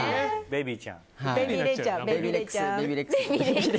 ベイビー礼ちゃん。